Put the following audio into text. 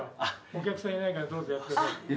お客さんいないからどうぞやってください。